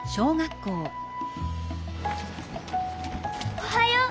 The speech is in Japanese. おはよう！